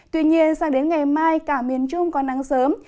tuy nhiên sang đến ngày mai cả miền trung có nắng sớm